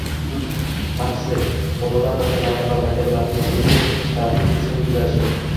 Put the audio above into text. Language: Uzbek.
Tanqislik, bolalar bog'chalari va maktablarning yopilishi, turmush tarzining keskin o'zgarishi